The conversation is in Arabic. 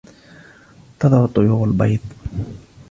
تضع الطيور البيض.